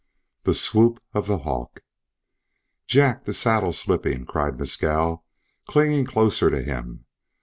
THE SWOOP OF THE HAWK "JACK! the saddle's slipping!" cried Mescal, clinging closer to him.